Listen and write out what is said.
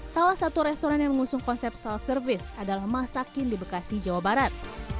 salah satu restoran yang mengusung konsep self service adalah masakin di bekasi jawa barat